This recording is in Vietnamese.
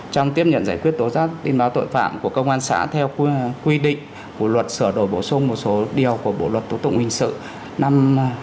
trong tiếp nhận giải quyết tố giác tin báo tội phạm của công an xã theo quy định của luật sửa đổi bổ sung một số điều của bộ luật tố tụng hình sự năm hai nghìn một mươi năm